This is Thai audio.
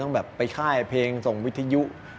แบบไปค่ายเพลงส่งวิทยุ